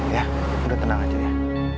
ya udah tenang aja ya